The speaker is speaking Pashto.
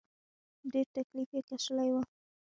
ډېر تکليف یې کشلی و.